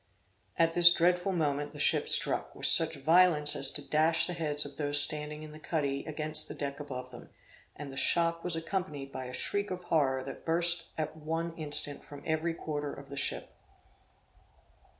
At this dreadful moment, the ship struck, with such violence as to dash the heads of those standing in the cuddy against the deck above them, and the shock was accompanied by a shriek of horror that burst at one instant from every quarter of the ship.